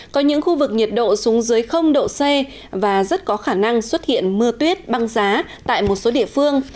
có những khu vực nhiệt độ xuống dưới độ c và rất có khả năng xuất hiện mưa tuyết băng giá tại một số địa phương